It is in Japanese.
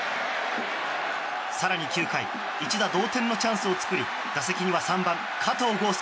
更に９回、一打同点のチャンスを作り打席には加藤豪将。